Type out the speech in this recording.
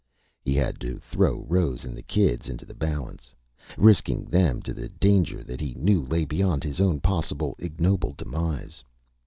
He had to throw Rose and the kids into the balance risking them to the danger that he knew lay beyond his own possible ignoble demise.